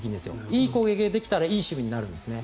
いい攻撃ができたらいい守備になるんですね。